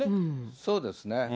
そうですね。